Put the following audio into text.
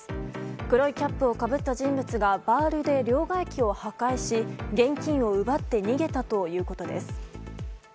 黒いキャップをかぶった人物がバールで両替機を破壊し現金を奪って逃げたということです。